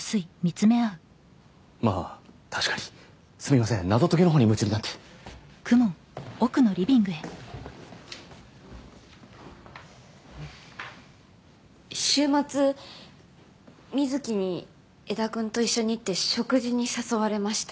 まあ確かにすみません謎解きのほうに夢中になって週末瑞貴に江田君と一緒にって食事に誘われました